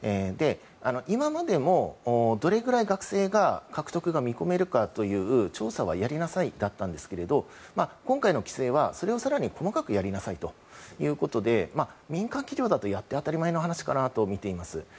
今までも、どれくらい学生獲得が見込めるかという調査はやりなさいだったんですけど今回の規制はそれを更に細かくやりなさいということで民間企業だとやって当たり前の話かなとみています。